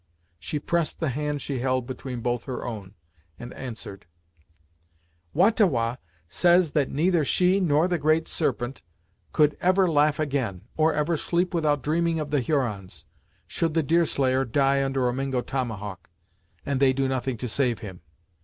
She pressed the hand she held between both her own, and answered "Wah ta Wah says that neither she nor the Great Serpent could ever laugh again, or ever sleep without dreaming of the Hurons, should the Deerslayer die under a Mingo tomahawk, and they do nothing to save him.